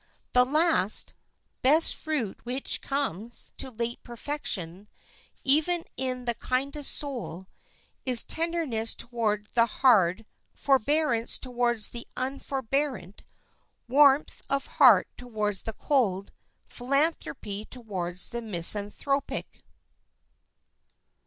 The last, best fruit which comes to late perfection, even in the kindliest soul, is tenderness towards the hard, forbearance towards the unforbearant, warmth of heart towards the cold, philanthropy towards the misanthropic.